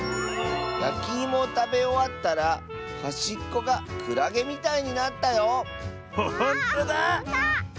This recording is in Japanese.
「やきいもをたべおわったらはしっこがクラゲみたいになったよ」。